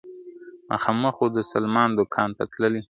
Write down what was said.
مخامخ وو د سلمان دوکان ته تللی `